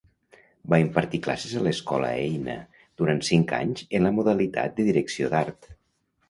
Va impartir classes a l'Escola Eina durant cinc anys en la modalitat de Direcció d'Art.